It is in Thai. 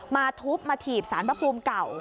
มาทุบมาถีบสารพระภูมิเก่า